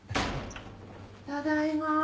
ただいま。